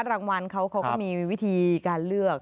รางวัลเขาก็มีวิธีการเลือก